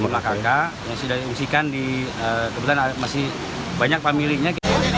lima kakak yang sudah diungsikan di kebutuhan masih banyak pemininya